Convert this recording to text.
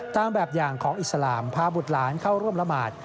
ตามแบบอย่างของอิสลามพาบุตรหลานเข้าร่วมละหมาด